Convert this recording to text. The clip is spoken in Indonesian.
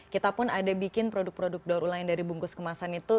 kita pun ada bikin produk produk daur ulang yang dari bungkus kemasan itu